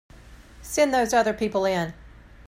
Send those other people in.